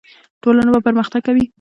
ټولنه به پرمختګ کوي.